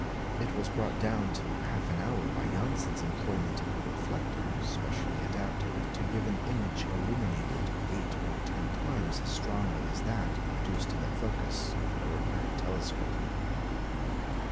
It was brought down to half an hour by Janssen's employment of a reflector specially adapted to give an image illuminated eight or ten times as strongly as that produced in the focus of an ordinary telescope.